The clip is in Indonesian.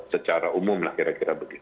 secara umum lah kira kira begitu